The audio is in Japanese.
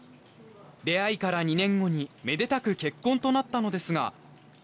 出会いから２年後にめでたく結婚となったのですが。